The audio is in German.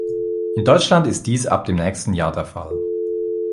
In Deutschland ist dies ab dem nächsten Jahr der Fall.